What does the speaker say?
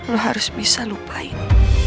lo harus bisa lupain